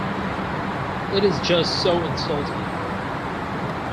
It's just so insulting.